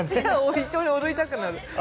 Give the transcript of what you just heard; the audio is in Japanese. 一緒に踊りたくなる。